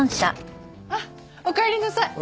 あっおかえりなさい。